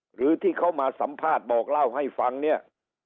หรือที่เขามาสัมภาษณ์บอกเล่าให้ฟังเนี่ย